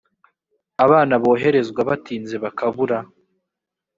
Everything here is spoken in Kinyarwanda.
abana boherezwa batinze bakabura